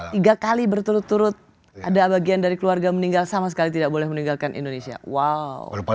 tiga kali berturut turut ada bagian dari keluarga meninggal sama sekali tidak boleh meninggalkan indonesia wow